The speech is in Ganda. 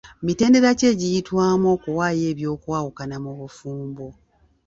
Mitendera ki egiyitwamu okuwaayo eby'okwawukana mu bufumbo?